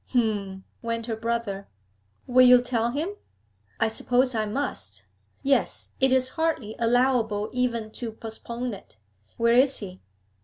'H'm!' went her brother. 'Will you tell him?' 'I suppose I must. Yes, it is hardly allowable even to postpone it. Where is he?'